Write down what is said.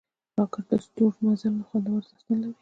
راکټ د ستورمزلو خوندور داستان لري